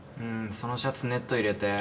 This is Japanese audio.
そのシャツネット入れて。